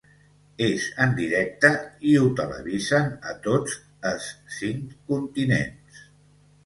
És en directe i ho televisen a tots es cinc continents.